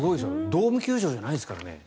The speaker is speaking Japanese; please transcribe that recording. ドーム球場じゃないですからね。